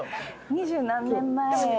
二十何年前。